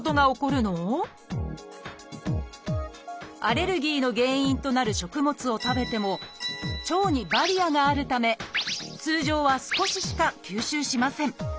アレルギーの原因となる食物を食べても腸にバリアがあるため通常は少ししか吸収しません。